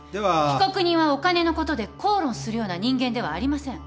被告人はお金のことで口論するような人間ではありません。